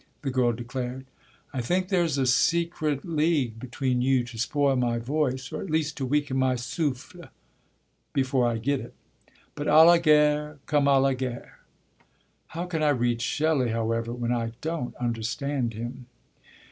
the girl declared. "I think there's a secret league between you to spoil my voice, or at least to weaken my souffle, before I get it. But à la guerre comme à la guerre! How can I read Shelley, however, when I don't understand him?"